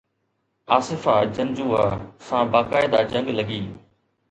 آصف جنجوعه سان باقاعده جنگ لڳي.